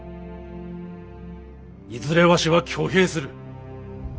いずれわしは挙兵する。